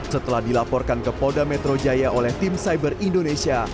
setelah dilaporkan ke polda metro jaya oleh tim cyber indonesia